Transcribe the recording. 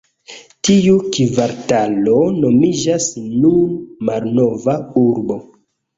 Tiu kvartalo nomiĝas nun "Malnova Urbo".